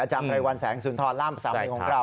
อาจารย์ไตรวันแสงสุนทรล่ามสามีของเรา